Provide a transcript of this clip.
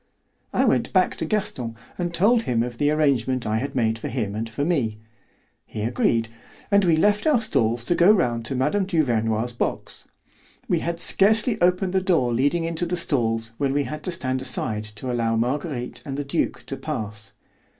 I went back to Gaston and told him of the arrangement I had made for him and for me. He agreed, and we left our stalls to go round to Mme. Duvernoy's box. We had scarcely opened the door leading into the stalls when we had to stand aside to allow Marguerite and the duke to pass.